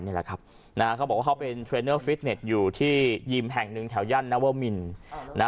เขาบอกว่าเขาเป็นเทรนเนอร์ฟิตเน็ตอยู่ที่ยิมแห่งนึงแถวย่านนัวเมิน